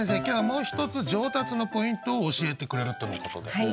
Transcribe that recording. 今日はもう一つ上達のポイントを教えてくれるとのことで。